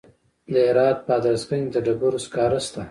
د هرات په ادرسکن کې د ډبرو سکاره شته.